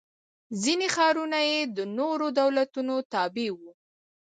ځیني ښارونه یې د نورو دولتونو تابع و.